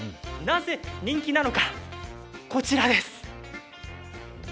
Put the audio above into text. なぜ人気なのか、こちらです。